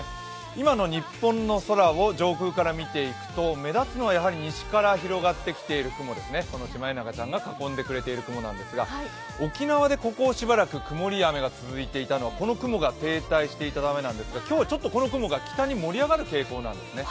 今の日本の空を上空から見ていくと目立つのは西から広がってきている雲ですね、シマエナガちゃんが囲んでくれているところなんですが、沖縄でここしばらく曇りや雨が続いていたのはこの雲が停滞していたためなんですが、今日この雲が北に盛り上がる天候なんですね。